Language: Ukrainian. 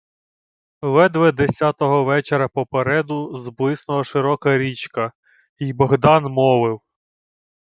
Ледве десятого вечора попереду зблиснула широка річка, й Богдан мовив: